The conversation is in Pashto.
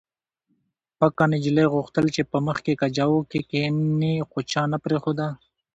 پکه نجلۍ غوښتل چې په مخکې کجاوو کې کښېني خو چا نه پرېښوده